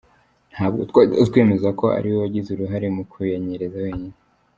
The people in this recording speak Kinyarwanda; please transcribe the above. Ntabwo twahita twemeza ko ari we wagize uruhare mu kuyanyereza wenyine.